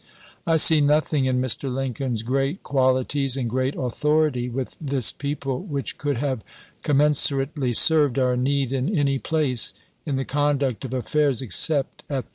I see nothing in Mr. Lincoln's great quahties and great authority with this people which could have commensurately served our need in any place, in the conduct of affairs, except at their head.